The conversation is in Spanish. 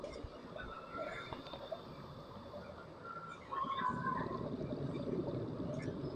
En el templo se depositaron los restos de Isidro Labrador hasta el día siguiente.